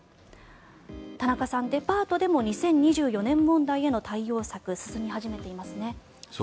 田中さん、デパートでも２０２４年問題への対応策進み始めていますね。